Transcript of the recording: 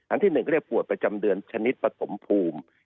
ที่๑ก็เรียกปวดประจำเดือนชนิดปฐมภูมิ